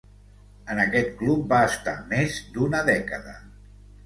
En aquest club va estar més d'una dècada.